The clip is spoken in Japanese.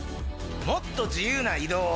もっと自由な移動を。